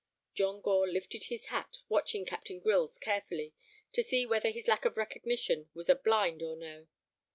John Gore lifted his hat, watching Captain Grylls carefully, to see whether his lack of recognition was a blind or no.